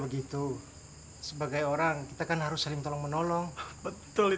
ternyata ingat balik sama temen gue